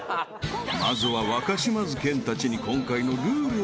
［まずは若島津健たちに今回のルールを発表］